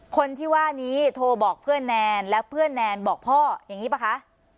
คนที่ว่านี้โทรบอกเพื่อนแนนและเพื่อนแนนบอกพ่ออย่างนี้ป่ะคะ